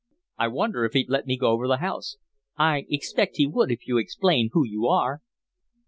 "I wonder if he'd let me go over the house." "I expect he would if you explain who you are."